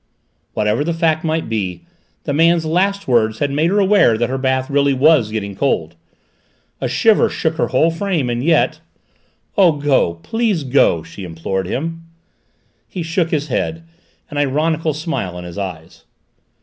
Whatever the fact might be, the man's last words had made her aware that her bath really was getting cold. A shiver shook her whole frame, and yet "Oh, go, please go!" she implored him. He shook his head, an ironical smile in his eyes.